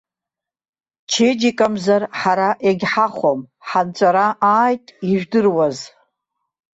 Чеџьыкамзар ҳара егьҳахәом, ҳанҵәара ааит ижәдыруаз.